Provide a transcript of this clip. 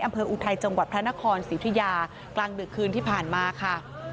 อำเภออุทัยจังหวัดพระนครสิทธิยากลางดึกคืนที่ผ่านมาค่ะ